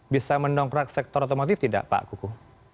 bisa mendongkrak sektor otomotif tidak pak kuku